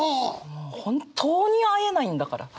もう本当に会えないんだから！